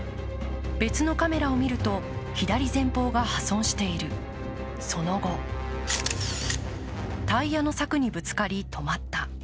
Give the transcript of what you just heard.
別のカメラを見ると、左前方が破損している、その後タイヤの柵にぶつかり止まった。